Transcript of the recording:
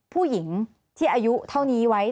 ผู้หญิงที่อายุเท่านี้ไว้